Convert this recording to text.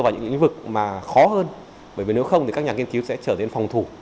vào những lĩnh vực mà khó hơn bởi vì nếu không thì các nhà nghiên cứu sẽ trở nên phòng thủ